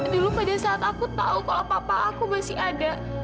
dulu pada saat aku tahu kalau papa aku masih ada